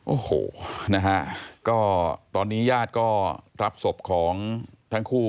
โอ้โหนะฮะก็ตอนนี้ญาติก็รับศพของทั้งคู่